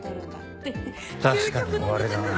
確かに終わりだな。